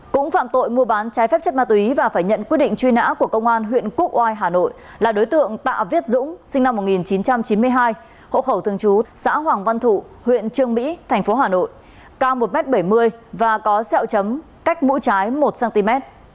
cũng phạm tội mua bán trái phép chất ma túy và phải nhận quyết định truy nã của công an huyện quốc oai hà nội là đối tượng tạ viết dũng sinh năm một nghìn chín trăm chín mươi hai hộ khẩu thường trú xã hoàng văn thụ huyện trương mỹ thành phố hà nội cao một m bảy mươi và có xẹo chấm cách mũi trái một cm